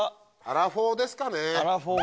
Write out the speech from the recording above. アラフォーですかね